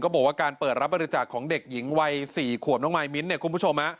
บอกว่าการเปิดรับบริจาคของเด็กหญิงวัย๔ขวบน้องมายมิ้นท์เนี่ยคุณผู้ชม